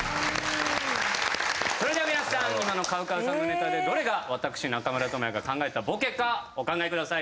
それでは皆さん今のＣＯＷＣＯＷさんのネタでどれが私中村倫也が考えたボケかお考えください。